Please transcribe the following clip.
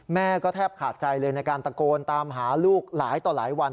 แม่ก็แทบขาดใจเลยในการตะโกนตามหาลูกหลายต่อหลายวัน